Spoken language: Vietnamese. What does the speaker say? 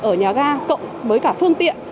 ở nhà ga cộng với cả phương tiện